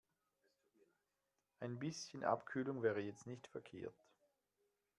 Ein bisschen Abkühlung wäre jetzt nicht verkehrt.